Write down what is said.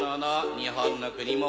日本の国も